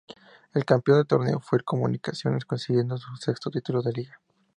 El campeón del torneo fue el Comunicaciones, consiguiendo su sexto título de liga.